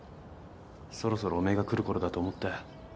そろそろおめえが来る頃だと思ったよ。